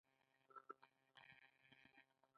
د تګ د ستونزې لپاره د توازن معاینه وکړئ